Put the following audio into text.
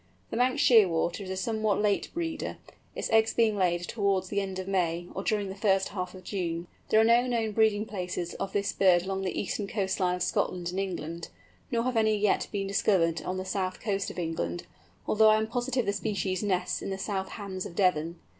The Manx Shearwater is a somewhat late breeder, its eggs being laid towards the end of May, or during the first half of June. There are no known breeding places of this bird along the eastern coast line of Scotland and England; nor have any yet been discovered on the south coast of England, although I am positive the species nests in the South Hams of Devon.